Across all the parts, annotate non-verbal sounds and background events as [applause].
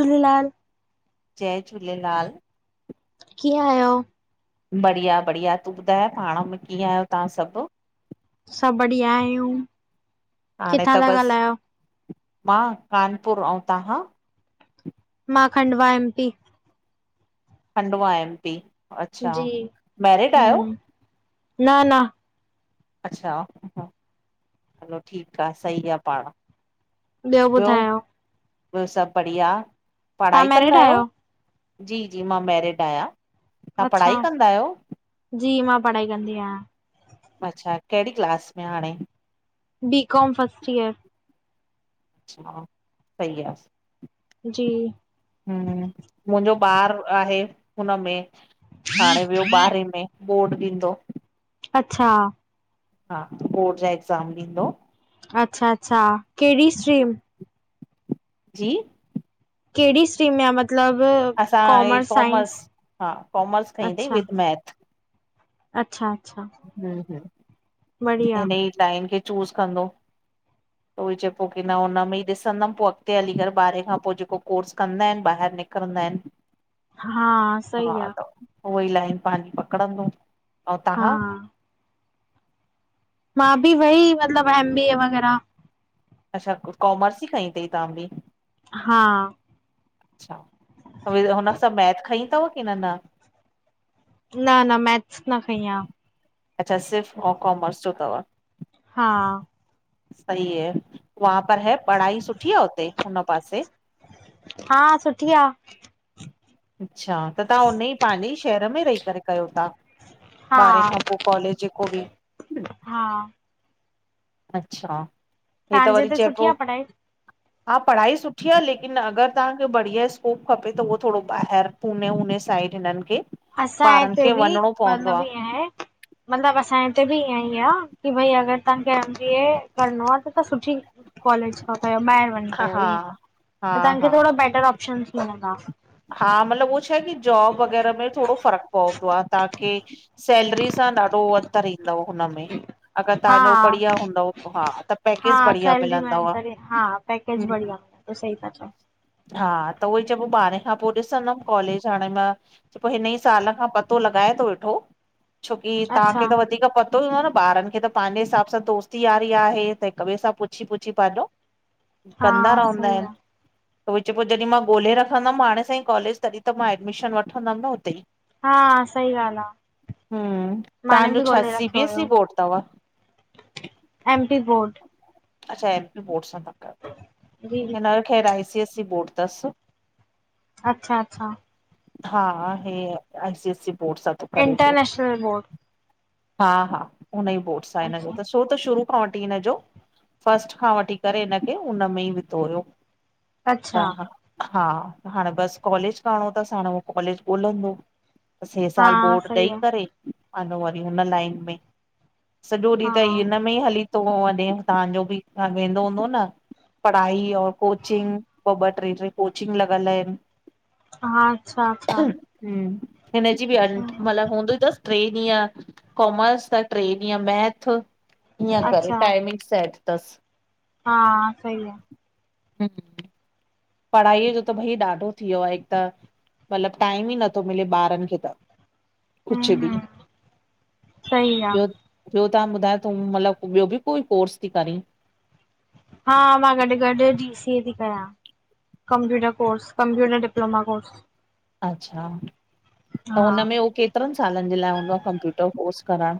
जय झूलेलाल जय झूलेलाल। कीअं आहियो बढ़िया बढ़िया तूं ॿुधाए पाण में कीअं आहियो तव्हां सभु। सभु बढ़िया आहियूं। हाणे किथां त था बस ॻाल्हायो? मां कानपुर ऐं तव्हां मां Khandwa M P Khandwa M P अच्छा जी मैरिड आहियो। हम्म न न - अच्छा हलो ठीकु आ सही आ पाण - ॿियो ॿुधायो - - ॿियो सभु बढ़िया तव्हां पढ़ाई मैरिड कंदा आहियो जी जी मां मैरिड आहियां। तव्हां अच्छा पढ़ाई कंदा आहियो। जी मां पढ़ाई कंदी आहियां। अच्छा केहिड़ी क्लास में हाणे बी कॉम फर्स्ट ईयर। अच्छा सही आ - - जी - - हूं मुंहिंजो ॿार आहे हुनमें हाणे वियो ॿारहे में। बोर्ड ॾींदो अच्छा - हा बोर्ड जा एग्ज़ाम ॾींदो अच्छा अच्छा केहिड़ी स्ट्रीम - - जी केहिड़ी स्ट्रीम में आ - - मतिलबु असां हे कॉमर्स साइंस हा कॉमर्स खईं अथई अच्छा विद मैथ - अच्छा अच्छा हूं हूं बढ़िया हिन ई लाइन खे चूज़ कंदो हू त उहोइ चए पयो की न हुन में ई ॾिसंदम पोइ अॻिते हली करे ॿारहें खां पोई जेको कोर्स कंदा आहिन ॿहिरि निक करंदा आहिन। हा हा सही आ। त उहो ई लाइन पाणी पकड़ंदो आऊ हा तांहां? मां बि वई मतलब एम बी ए वग़ैरह। अच्छा कॉमर्स ई खईं थई तां बि? हा। अच्छा त हुन सां मैथ खईं थव की न न। न न मैथ्स न खईं आ। अच्छा, सिर्फ़ आऊ कॉमर्स जो थव। हा सही हे, वहा पर है पढ़ाई सुठी आ हुते हुन पासे। हा, सुठी आ। अच्छा, त तां हुन ई पंहिंजे ई शहर में रही करे कयो था? हा ॿारह खां पो कॉलेज जेको बि। हा। अच्छा हे त तव्हांजे वरी हिते सुठी चएबो, आ पढ़ाई हा पढ़ाई सुठी। थीया लेकिन अगर तांखे बढ़िया। कोप खपे त उहो थोरो ॿाहिर पुने वोने साइड हिनन खे। असां ॿारनि हिते खे बि वञिणो पवंदो मतलब आ ईअ आहे। मतलब असांजे हिते बि ईअं ई आ की भई अगर तांखे एम बी ए करणो आ त सुठी। कॉलेज खां कयो ॿाहिर वञी कयो हा इअ हा त हा तांखे थोरा बैटर ऑप्शनस मिलंदा। हा मतलब उहो छा आहे की जॉब वग़ैरह में थोरो फ़र्क पवंदो आ ता। खे सैलरी सां ॾाढो अंतर ईंदो हुनमें। अगर हा तांजो बढ़िया हूंदव हा त हा पैकेज बढ़िया सैलरी मिलंदव हं। त सही था चओ। हा त उई च पो भारे। हां, पो ॾिसंदम कॉलेज, हाणे मां हिन ई साल खां पतो लॻायां थो वेठो। छोकी तां खे अच्छा त वधीक पत। हूंदो न ॿारन खे त पंहिंजे हिसाब सां दोस्ती यारी आहे त हिक ॿिए सां पुछी पुछी पाँजो। [inaudible] कदा रहंदा सही आहिन। आ त ऊहोई चवे पो जॾहिं मां ॻोल्हे रखंदम हाणे साईं कॉलेज तॾहिं त मां एडमिशन वठंदम न उते ई। हा सही ॻालह आ। हम्म माने तव्हांजो बि छा गोले सी बी रखियो एस हुयो। ई बोर्ड अथव एम पी बोर्ड। अच्छा एम पी बोर्ड सां ता कयो त जी हिन ख़ैर आई सी एस बोर्ड तस। अच्छा अच्छा। हा, हे I C S C board सां। थो करे पियो इंटरनेशनल बोर्ड। हा हा हुन ई बोर्ड साँ हिन जो अच्छा तस्। छो त शुरू खां वठी हिन जो फस्ट खां वठी करे हिन खे हुनन में ई विधो हुयो। त अच्छा हा हाणे बस कॉलेज करणो अथस हाणे उहो कॉलेज ॻोल्हंदो। त बस हे हा साल बोर्ड सही ॾेई आहे करे अंन वरी हुन लाइन में। सॾो ॾींहुं हा त हिन में ई हली थो वने, तांजो बि वेंदो हूंदो न? पढ़ाई और कोचिंग ॿ-ॿ, ट्रे-ट्रे कोचिंग लॻल आहिन। हा अच्छा अच्छा। हम्म, हिनजी बि हलनि हम्म मतिलबु हूंदयूं अथसि ट्रे ॾींह कोमर्स त ट्रे ॾींह मैथ ईअं करे अच्छा टाइमिंगसि सेट अथसि। हा, सही आहे। हम्म पढ़ाईअ जो त भई ॾाढो थी वियो आहे, हिकु त मतिलबु टाईम ई नथो मिले ॿारुनि खे त। कुछु हम्म बि, हम्म सही ॿियो? आहे ॿियो तव्हां ॿुधायो, तूं मतिलबु ॿियो बि कोई कोर्स थी करीं? हा, मां गॾु-गॾु जी सी-ए थी कयां। Computer course, computer diploma course. अच्छा, त हा हुनमें उहो केतिरनि सालनि जे लाइ हूंदो आहे, कंप्यूटर कोर्स करणु?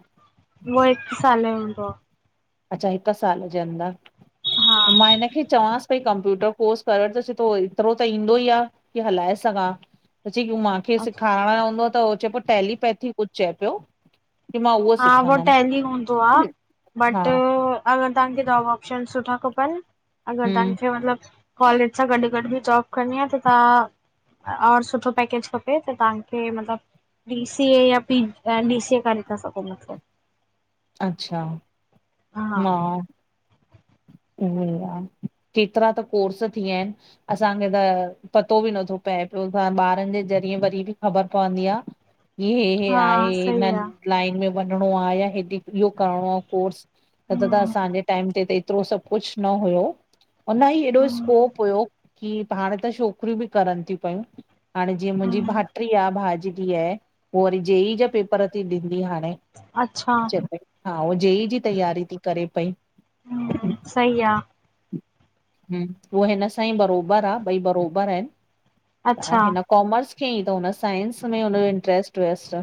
उहो हिकु साल जो हूंदो आहे। अच्छा हिकु साल जे अंदरि, हा त मां हिन खे चवांसि पई कंप्यूटर कोर्स कर वठि त सुठो तई, एतिरो त ईंदो ई आहे की हलाए सघां। त चयईं कि मां खें अच्छा सेखारणो हूंदो त, उहो चए पियो टेलीपैथी कुझु चए पियो। की मां हा उहो सिखंदमि। टैली हूंदो आहे। हा बट अगरि तव्हांखे जॉब ऑप्शन सुठा खपनि, अगरि हम्म तव्हांखे मतिलबु कॉलेज सां गॾु-गॾु बि जॉब करणी आहे, त तव्हां और सुठो पैकेज खपे त, तव्हांखे मतिलबु डी-सी-ए या पी, एम-डी-सी-ए करे था सघूं मतिलबु। अच्छा। हा मां उहोई आ। केतिरा त कोर्स थी विया आहिनि। असांखे त पतो बि नथो पए पियो, पाण ॿारुनि जे ज़रिए वरी बि ख़बर पवंदी आहे। की हे-हे हा आहे, सही हिनन आ लाइन में वञणो आहे, या हेॾे इहो करणो आहे कोर्स, न त-त हम्म असांजे टाइम ते हिते एतिरो सभु कुछु न हुयो, आऊं न ही एॾो हम्म स्कोप हुयो की हाणे त छोकिरियूं बि करनि थियूं पयूं। हाणे जीअं मुंहिंजी हम्म भाट्री आहे, भा जी धीअं आहे, पो वरी जे-ई जा पेपर अची ॾींदी हाणे। अच्छा। चवे पई, हा उहो जे-ई जी तयारी थी करे पई। हम्म, सही आहे। हम्म, हूअ हिन सां ई बरोबरु आहे, ॿई बरोबरु आहिनि। अच्छा त हिन कॉमर्स खयईं त हुन साइंस, में हुनजो इंट्रेस्ट हुयसि।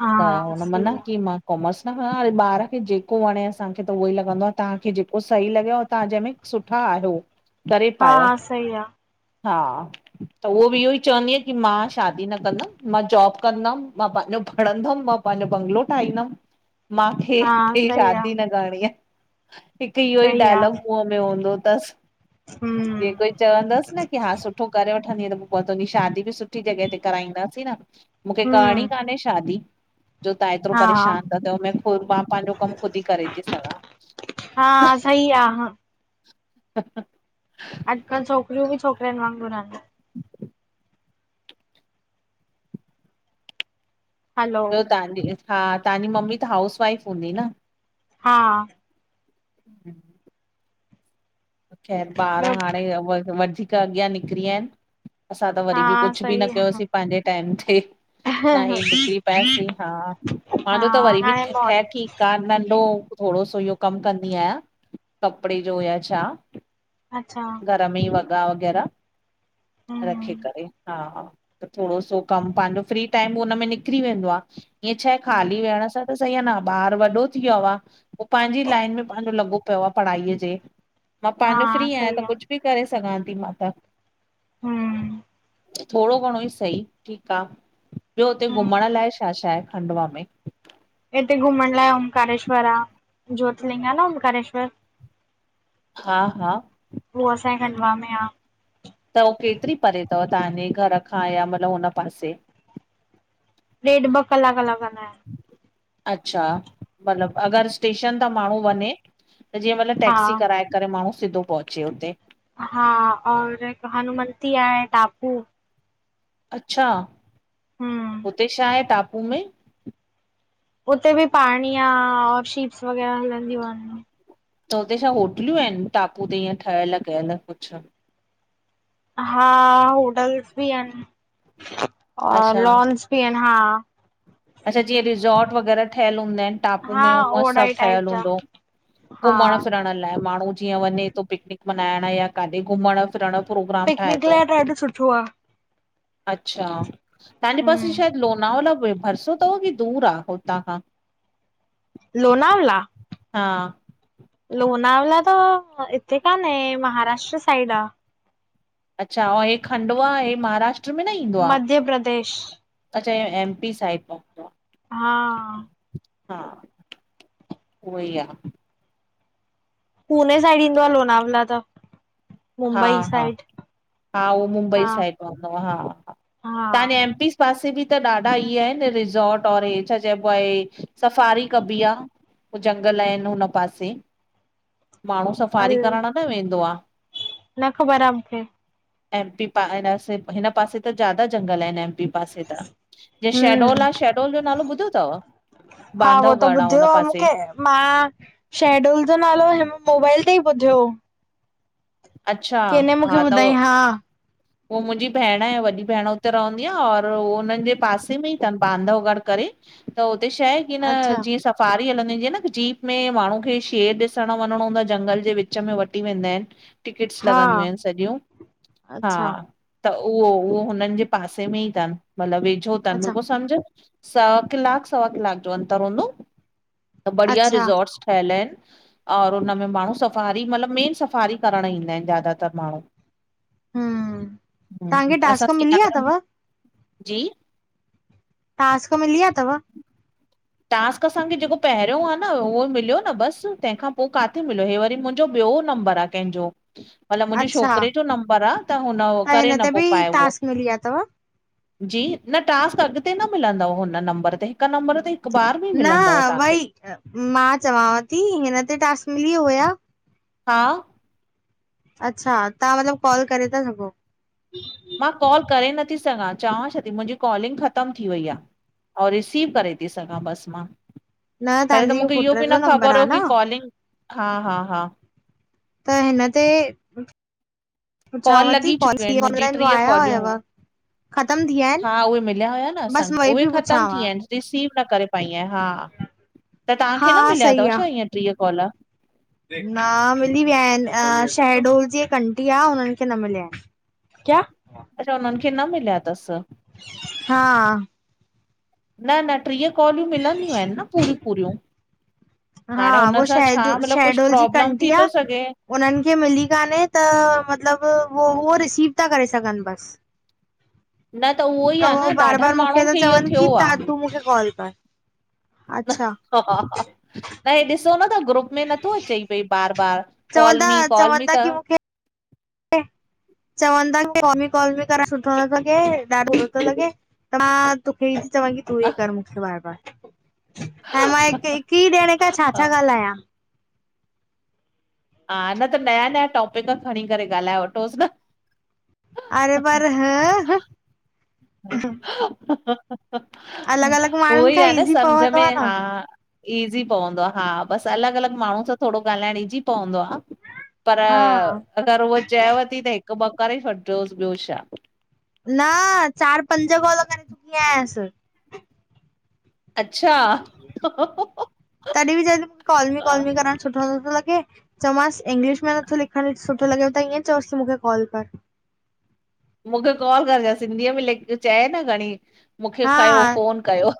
हा त हुन मना सही आ कयई मां कॉमर्स न खणां। अरे ॿारु खे जेको वणे असांखे त उहो ई लॻंदो आहे। तव्हांखे जेको सही लॻेव तव्हां जंहिंमें सुठा आहियो, तरे पायो। हा सही आ हा त उहो बि इहो ई चवंदी आहे कि मां शादी न कंदमि, मां जॉब कंदमि, मां पंहिंजो पढ़दमि, मां पंहिंजो बंगलो ठाहिंदुमि [inaudible] हा माखें ही सही आ शादी न करणी आहे, हिकु इहो ई सही आ डायलॉग मुंह में हूंदो तसि। हम्म जिएं कोई चवंदसि न कि हा सुठो करे वठंदी त पोइ तुंहिंजी शादी बि सु सुठी जॻह ते कराईंदासीं न, मूंखे करणी हम्म कान्हे शादी। जो तव्हां एतिरो हा परेशानु था थियो, मैं खुद मां पंहिंजो कमु खुदी करे थी सघां। हा, सही आ हा ह ह अॼकल्ह छोकरयूं बि छोकरयन वांगुरु एन। हलो ॿयो तहांजी, हा, तहांजी मम्मी त हाउस वाइफ हूंदी न? हा हूं ख़ैर ॿार ॿियो हाणे, वधीक अॻयां निकरी व्या एन। असां त हा वरी बि, कुछ बि सही न आ। कयोसीं पांजे टैम थे। न हे निकरी पयासीं, हा, हा मांजो त वरी बि हाणे ठ मॉर्निंग ठीक आ नंढो थोड़ो सो इओ कम कंदी आयां, कपड़े जो या छा अच्छा घर में ही वॻा वग़ैरा रखी हम्म करे, हा त थोड़ो सो कम, पांजो फ्री टाइम उनमें निकरी वेंदो आ। ईंएं छाहे, खाली वेहण सां त सही आ न। ॿार वॾो थी वयो आ, हो पांजी लाइन में पांजो लॻो प्यो आ पढ़ाईअ जे। मां पांजो फ्री हा आयां, त सही आ कुछ बि करे सघां ती मां त। हूं थोड़ो घणो ई सही, ठीक आ, ॿयो हुते घुमण हम्म लाइ छा छा आहे, खंडवा में? इते घुमण लाइ ओंकारेश्वर आ, ज्योतर्लिंग आ न ओकारेश्वर। हा हा उहो असांजे खंडवा में आ। त हू केतरी परे तव, तहांजे घर खां या मतिलब हुन पासे? ॾेढ़, ॿ कलाक लॻंदा एन। अच्छा, मतलब अगर स्टेशन तां माण्हूं वञे, त जीअं मतलब हा टैक्सी कराए करे माण्हूं, सिधो पहुचे हुते। हा, और इक हनुमंती आहे टापू। अच्छा, हम्म हुते छाहे टापू में? उते बि पाणी आ, और शीप्स वग़ैरा हलंदयूं एन। त हुते छा होटल्यूं एन, टापू ते ईीअं ठयल कयल कुछ? हा, होटल्स बि अन्, और अच्छा लॉन्स बि अन्, हा अच्छा, जीअं रिसॉर्ट वग़ैरा ठयल हूंदा एन। टापू हा में ऊंअं सभ ओड़ाई टाइप ठहयल जा हूंदो, हा घुमण फिरण लाइ माण्हूं जीअं वञे? तो, पिकनिक मनाइण, या काॾे घुमण फिरण जो प्रोग्राम ठाहे पिकनिक थो। लाइ ॾाढो सुठो आ। अच्छा, तांजे पासे हम्म शायद लोनावला, भरसों तव कि दूर आ, हुतां खां? लोनावला? हा लोनावल त इते कान्हें, महाराष्ट्र साइड आ। अच्छा, औ हे खंडवा, हे महाराष्ट्र में न ईंदो आ? मध्य प्रदेश अच्छा, ईहो एम, पी साइड पवंदो आ। हा हा, उअई आ। पूने साइड ईंदो आ, लोनावला त। हा मुंबई हा, साइड हा हू, मुंबई हा साइड पवंदो आ, हा हा, हा तहांजे एम, पी पासे बि त ॾाढा ईए एन, रिसोर्ट और छा चइबो आ, सफारी कबी आ? पो जंगल एन हुन पासे, माण्हूं अल सफ़ारी करण न वेंदो आ? न ख़बर आहे मुखे एम पी प हिन पासे त ज्दा जंगल आहिनि एम पी पासे त जे हम्म शेडोल आहे शेडोल जो नालो ॿुधो अथव हा उहो बांधा त घड़ा ॿुधियो उन आहे पासे मूंखे मां शहडोल जो नालो मोबाइल ते ई ॿुधियो अच्छा के न मुखे ॿुधाई हा उ मुंहिंजी भेण आहे वॾी भेण हुते रहंदी आहे और उह हुनननि जे पासे में ई अथनि बांधव घड करे त उते शा आहे की न अच्छा जीअ फारी हलंदी जीअं न जीप में माण्हू खे शेर ॾिसण वञणो हूं आहे जंगल जे विच में वठी वेंदा आहिनि टिकिट्स हा लॻंदियूं आहिनि सॼियूं हा अच्छा त उहो उहो हुननि जे पासे में ई अथनि मतिलबु वेझो अथनि अच्छा बिलको समुझ स कलाक सवा कलाक जो अंतर ह न बढिया अच्छा रिज़ोर्ट ठहियल आहिनि और हुनमें माण्हू सफ़ारी मतिलबु मेन सफ़ारी करण ईंदा आहिनि ज्यादातर माण्हू ह तव्हांखे असां टास्क मिली विया सियारे अथव में जी ट्क मिलीया अथव टास्क असांखे जेको पहिरियों आहे न उहो मिलियो न बसि तंहिंखां पोइ किथे मिलियो इी वरी जो ॿियो नंबर आहे कंहिंजो मतलब मुंहिंजे अच्छा छोकिरे जो नंबर आहे त हुन त करे हिन ते नथो बि पाए उहो टास्क मिली विया अथव जी न टास्क अॻिते न मिलंदव हुन नम्बर ते हिकु नम्बर ते हिकु बार बि न मिलंदव तव्हांखे वई मां चवांव थी हिन ते टास मिली हुया हा अच्छा तव्हां मतलब कॉल करे ता सघो। मां कॉल करे नथी सघां चवां छा थी मुंहिंजी कॉलिंग ख़तम थी वई आ। और रिसीव करे थी सघां बस मां। न पहले त तव्हांजी मूंखे पुट इहो बि जो न नंबर ख़बर आहे हो न की कॉलिंग हा हा हा त हिन ते कॉल पुछांव थी लॻी कॉल्स चुकियूं आहिनि ‌कीयं मुंहिंजी ऑन टीह आया कॉलियूं हुयव ख़तम थी वया‌ इन। हा उहे मिलिया हुया न असांखे उहे ख़तम थी विया आहिनि रिसीव न करे पई आ हा त तव्हांखे हा न मिलिया सही तव आ छा ईअं ट्रीह कॉल। न मिली विया आहिनि अं शहडोल जी इक आंटी आ हुनननि खे न मिली आहिनि। क्या? अच्छा उन्हनि खे न मिलिया तस। हा न न ट्रीह कॉलियूं मिलंदियूं आहिनि न पूरियूं पूरियूं। हा हाणे हुन उहो सां छा शह मतलबु कुछ शहडोल जी हिक प्रॉब्लम थी आंटी थो आ सघे? उन्हनि खे मिली कान्हे त मतिलबु उह उहो रिसीव था करे सघनि बसि। न त उहो ई त आहे उह न बार ॾाढनि बार मूंखे माण्हुनि ता खे इहो चवनि थियो की तां आहे तूं मूंखे कॉल कर अच्छा। हा हा हा न हे ॾिसो न था ग्रुप में नथो अचइ पई बार बार। कॉल चवंदा मी कॉल मी चवंता त की मूंखे चवंदा कि कॉल मी कॉल‌ मी करण सुठो न थो लॻे ॾाडो हो थोे लॻे मां तोखे ई चवां की तूं ई कर मुखे बार बार हाणे मां हिक‌ हिकी जणे खां छा छा हा ॻाल्हायां हा न त नया नया टॉपिक खणी करे। ॻाल्हाए वठोसि न, अरे पर हं हं अलॻि अलॻि माण्हुनि उहोई खां आ न ईज़ी समझ पवंदो में, आहे न हा ईज़ी पवंदो आ, हा बसि अलॻि -अलॻि माण्हूं सां थोड़ो ॻाल्हाइण ईज़ी पवंदो आ। पर हा अगरि हूव चएव ती त हिकु ॿ करे वॾिजोसि ॿियो छा। न चार, पंज कॉल कंरे चुकी आहियांस। ‌ अच्छा। तॾी बि चए ती मुखे कॉल मी कॉल हा, मी करण सुठो नत्थो लॻे। चौमांस इंग्लिश में नत्थो लिखंण सुठो लॻेव त ईंयें चओसि तूं मुखे कॉल कर मूंखे कॉल कर छा, सिंधीअ में लिख चए न खणीं। मुखे हा कयो, फोन कयो।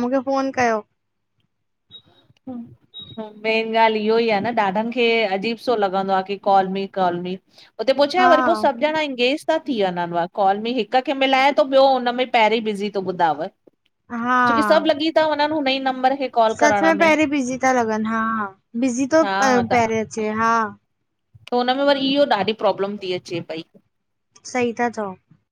मुखे फोन कयो। हम्म। मेन ॻाल्हि इह्योई आ न ॾाढनि खे अजीब सो लॻंदो आ की कॉल मी कॉल मी। उते पो छाहे हा वरी पो सभु ॼणा ईंगेज़ ता थी वंञंनि व, कॉल में हिक खे मिलाय तो ॿियो हुन में पहिरेंई बिज़ी तो ॿुधाव। छोकी हा सब् लॻी ता वंञंनि हुन ई नंबर खे कॉल करण में। ॿई बीज़ी ता लॻनि हा बिज़ी तो पहिरे अचे हा। पो हुनमें वरी इह्यो ॾाढी प्रॉब्लम ती अचे पई। सही था चओ।